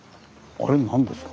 あれ何ですか？